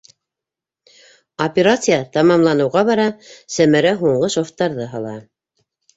Операция тамамланыуға бара, Сәмәрә һуңғы шовтарҙы һала.